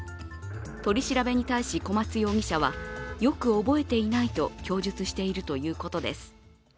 取り調べに対し小松容疑者は、よく覚えていないと供述しているということです。